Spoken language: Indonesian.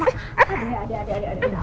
aduh ya adek adek